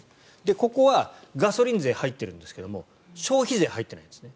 ここはガソリン税が入ってるんですが消費税が入ってないです。